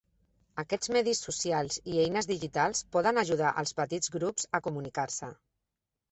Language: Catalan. Aquests medis socials i eines digitals poden ajudar als petits grups a comunicar-se.